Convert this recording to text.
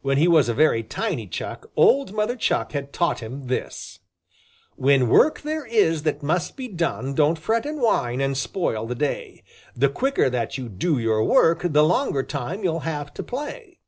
When he was a very tiny Chuck, old Mother Chuck had taught him this: "When work there is that must be done Don't fret and whine and spoil the day! The quicker that you do your work The longer time you'll have to play."